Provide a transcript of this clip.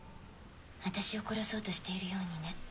私を殺そうとしているようにね。